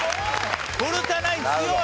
古田ナイン強い！